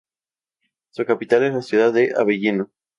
Su capital es la ciudad de Avellino.